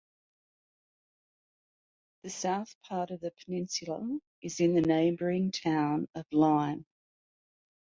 The south part of the peninsula is in the neighboring Town of Lyme.